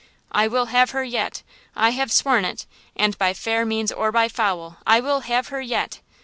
"I will have her yet! I have sworn it, and by fair means or by foul I will have her yet!"